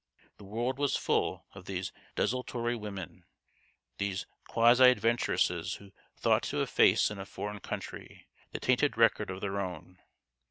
The world was full of these desultory women, these quasi adventuresses who thought to efface in a foreign country the tainted record of their own.